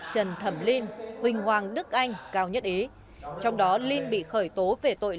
trần thẩm lin huỳnh hoàng đức anh cao nhất ý trong đó lin bị khởi tố về tội